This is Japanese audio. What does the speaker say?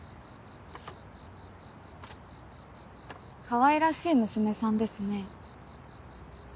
かわいらしい娘さんですね。